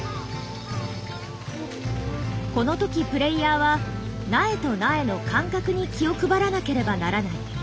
この時プレイヤーは苗と苗の間隔に気を配らなければならない。